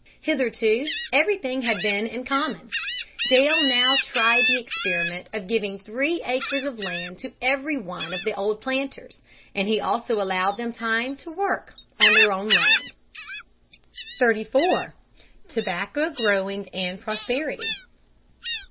Hitherto everything had been in common. Dale now tried the experiment of giving three acres of land to every one of the old planters, and he also allowed them time to work on their own land. [Sidenote: Tobacco.] [Sidenote: Prosperity.] 34. Tobacco growing and Prosperity.